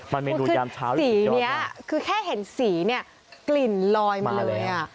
มันเมนูยามเช้าเลยสีนี้คือแค่เห็นสีเนี่ยกลิ่นลอยมาเลยอ่ะ